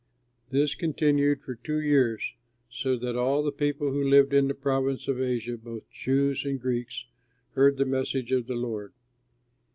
This continued for two years, so that all the people who lived in the province of Asia, both Jews and Greeks, heard the message of the Lord.